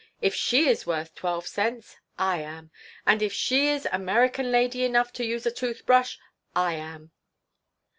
If she is worth twelve cents, I am. And if she is American lady enough to use a tooth brush, I am."